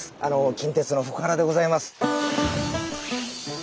近鉄の福原でございます。